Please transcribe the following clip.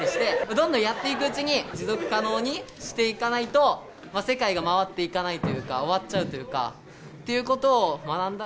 どんどんやっていくうちに、持続可能にしていかないと、世界が回っていかないというか、終わっちゃうというか、というこ